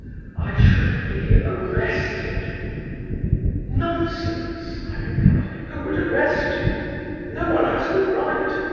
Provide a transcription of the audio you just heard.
"I should be arrested." "Nonsense," I replied, "who would arrest you? No one has the right.